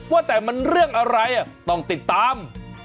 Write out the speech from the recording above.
ว่าแต่มันเรื่องอะไรต้องติดตาม